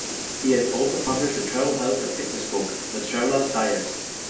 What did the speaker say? He has also published a travel health and fitness book, "The Traveler's Diet".